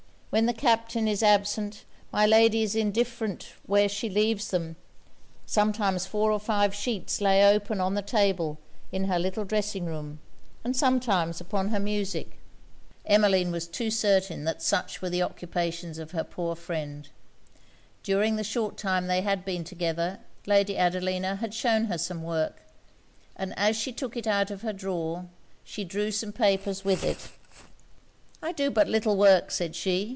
When the Captain is absent, my lady is indifferent where she leaves them. Sometimes four or five sheets lay open on the table in her little dressing room, and sometimes upon her music.' Emmeline was too certain that such were the occupations of her poor friend. During the short time they had been together, Lady Adelina had shewn her some work; and as she took it out of her drawer, she drew out some papers with it. 'I do but little work,' said she.